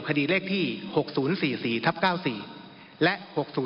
คดีเลขที่๖๐๔๔๙๔และ๖๐๓๔๙๔